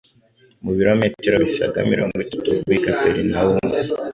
Mu birometero bisaga mirongo itatu uvuye i Kaperinaumu,